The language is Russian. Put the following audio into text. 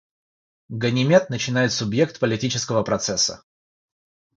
Ганимед начинает субъект политического процесса.